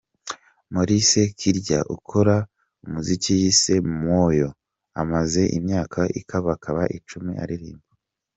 Maurice Kirya ukora umuziki yise “Mwooyo”, amaze imyaka ikabakaba icumi aririmba.